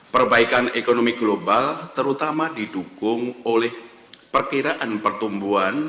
perbaikan ekonomi global terutama didukung oleh perkiraan pertumbuhan